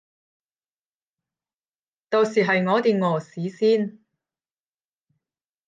到時係我哋餓死先